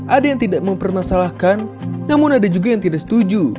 ada yang tidak mempermasalahkan namun ada juga yang tidak setuju